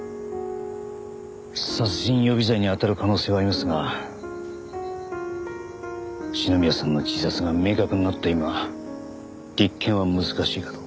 殺人予備罪に当たる可能性はありますが篠宮さんの自殺が明確になった今立件は難しいかと。